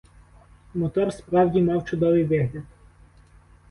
Мотор справді мав чудовий вигляд.